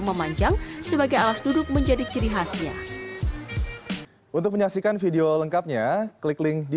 memanjang sebagai alas duduk menjadi ciri khasnya untuk menyaksikan video lengkapnya klik link di